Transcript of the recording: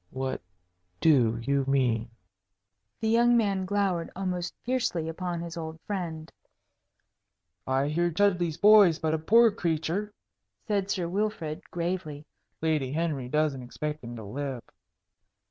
"What do you mean?" The young man glowered almost fiercely upon his old friend. "I hear Chudleigh's boy is but a poor creature," said Sir Wilfrid, gravely. "Lady Henry doesn't expect him to live."